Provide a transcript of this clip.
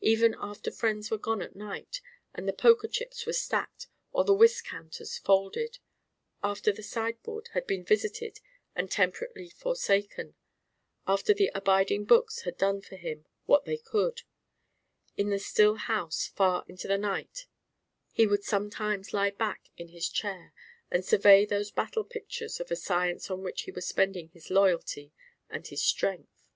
Even after friends were gone at night and the poker chips were stacked or the whist counters folded; after the sideboard had been visited and temperately forsaken; after the abiding books had done for him what they could; in the still house far into the night, he would sometimes lie back in his chair and survey those battle pictures of a science on which he was spending his loyalty and his strength.